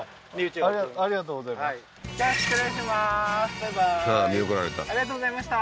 バイバーイありがとうございました